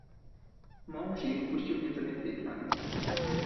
"Mąż jej wpuścił nieco więcej tlenu."